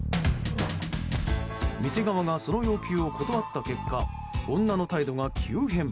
店側が、その要求を断った結果女の態度が急変。